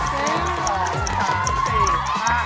เริ่มครับ